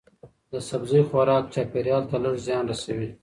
د سبزی خوراک چاپیریال ته لږ زیان رسوي.